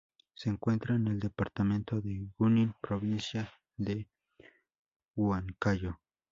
Se encuentra en el departamento de Junín, Provincia de Huancayo.